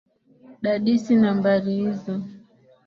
Dadisi nambari hizo.